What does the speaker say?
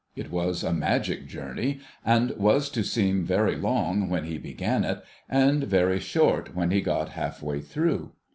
It was a magic journey, and was to seem very long when he began it, and very short when he got half way through.